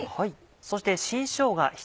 そして。